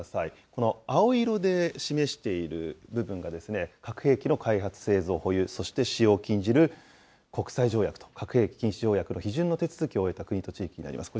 この青色で示している部分が核兵器の開発、製造、保有、そして使用を禁じる国際条約と、核兵器禁止条約の批准の手続きを終えた国と地域になります。